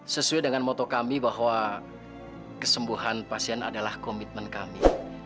sesuai dengan moto kami bahwa kesembuhan pasien adalah komitmen kami